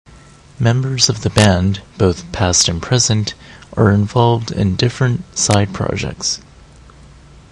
Members of the band, both past and present, are involved in different side projects.